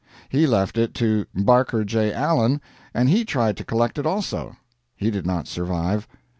He left it to Barker J. Allen, and he tried to collect it also. He did not survive.